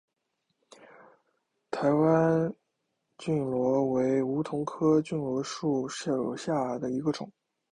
台湾梭罗为梧桐科梭罗树属下的一个种。